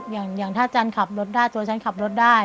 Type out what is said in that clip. อย่างถ้าจันขับรถได้ตัวฉันขับรถได้